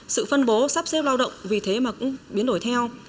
sự phân bố sắp xếp lao động vì thế mà cũng biến đổi theo